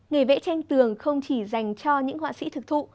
nghề vẽ tranh tường không chỉ dành cho những họa sĩ thực thụ